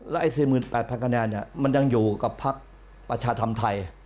ไอ้๔๘๐๐คะแนนมันยังอยู่กับพักประชาธรรมไทย